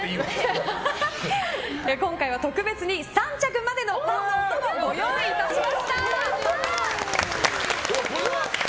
今回は特別に３着までのパンのお供をご用意いたしました。